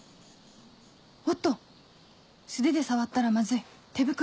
おっと素手で触ったらマズい手袋